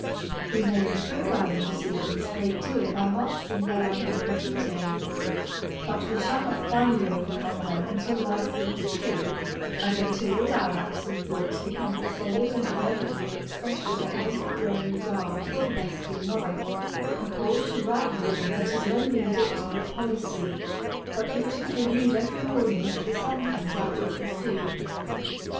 We may improve our indecisions a great deal by mastering their unhappy details, but we shall not finally overcome them until life rings true and until all our acts and thoughts become the solid and inevitable expression of a healthy growing regard for the best in life, a call to right living that is no mean dictum of policy, but which is renewed every morning as the sun comes out of the sea.